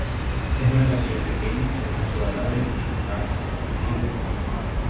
Es una capilla pequeña, de una sola nave y ábside único.